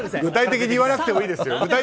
具体的に言わなくてもいいですよ。